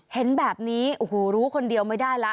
เห็นแบบนี้โอ้โหรู้คนเดียวไม่ได้แล้ว